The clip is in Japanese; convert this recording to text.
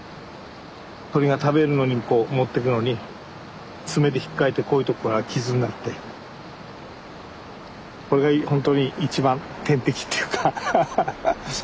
鳥が食べるのにこう持ってくのに爪でひっかいてこういうとこから傷になってこれがほんとに一番天敵っていうかハハハ。